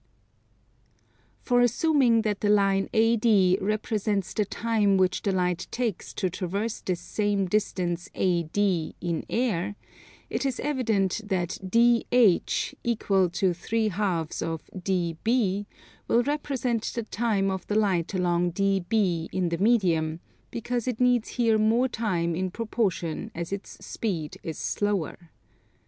For assuming that the line AD represents the time which the light takes to traverse this same distance AD in air, it is evident that DH, equal to 3/2 of DB, will represent the time of the light along DB in the medium, because it needs here more time in proportion as its speed is slower.